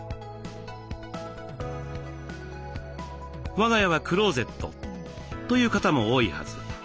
我が家はクローゼットという方も多いはず。